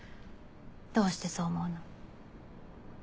どうしてそう思うの？